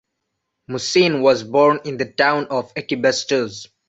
Musin was born in the town of Ekibastuz.